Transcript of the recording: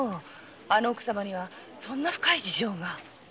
あの奥様にはそんな深い事情が。